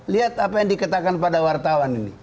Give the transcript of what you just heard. lihat apa yang dikatakan pada wartawan ini